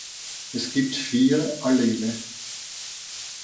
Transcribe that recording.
Es gibt vier Allele.